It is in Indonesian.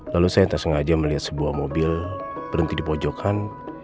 lalu saya tersengaja melihat sebuah mobil berhenti di pojokan